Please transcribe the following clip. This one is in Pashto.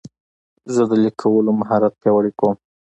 زه د لیک کولو مهارت پیاوړی کوم.